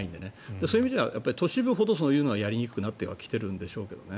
そういう意味では都市部ほどそういうのはやりにくくなってきていると思いますが。